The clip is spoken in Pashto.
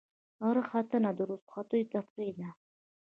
غره ختنه د رخصتیو تفریح ده.